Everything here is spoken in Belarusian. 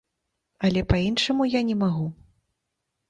Але па-іншаму я не магу.